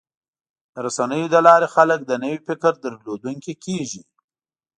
د رسنیو له لارې خلک د نوي فکر درلودونکي کېږي.